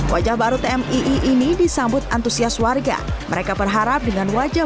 wajah baru tmii ini disambut antusias warga mereka berharap dengan wajah